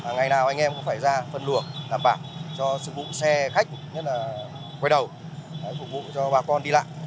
ngày nào anh em cũng phải ra phân luồng đảm bảo cho sự vụ xe khách nhất là quay đầu phục vụ cho bà con đi lại